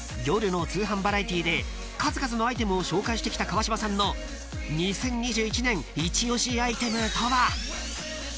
［夜の通販バラエティーで数々のアイテムを紹介してきた川島さんの２０２１年イチ推しアイテムとは］